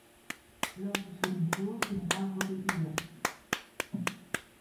Lors du second tour, il bat Robbie Eagles.